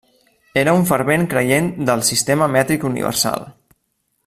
Era un fervent creient del sistema mètric universal.